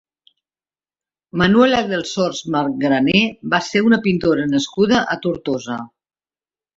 Manuela Delsors Mangrané va ser una pintora nascuda a Tortosa.